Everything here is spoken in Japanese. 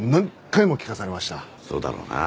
そうだろうな。